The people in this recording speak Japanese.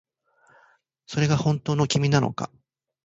それが本当の君なのか